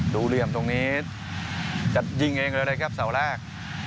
เหลี่ยมตรงนี้จะยิงเองเลยนะครับเสาแรก